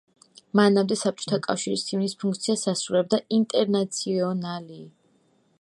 მანამდე საბჭოთა კავშირის ჰიმნის ფუნქციას ასრულებდა ინტერნაციონალი.